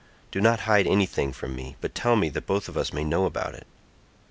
Do not hide anything from me but tell me that both of us may know about it."